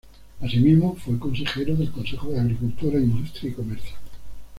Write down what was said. Asimismo fue Consejero del Consejo de Agricultura, Industria y Comercio.